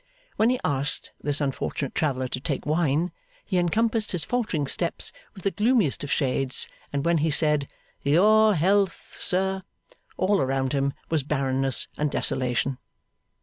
When he asked this unfortunate traveller to take wine, he encompassed his faltering steps with the gloomiest of shades; and when he said, 'Your health sir!' all around him was barrenness and desolation.